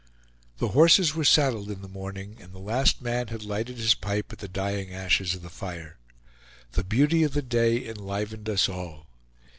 The horses were saddled in the morning, and the last man had lighted his pipe at the dying ashes of the fire. The beauty of the day enlivened us all.